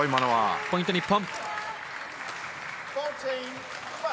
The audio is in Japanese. ポイントは日本。